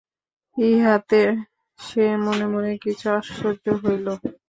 ইহাতে সে মনে মনে কিছু আশ্চর্য হইল।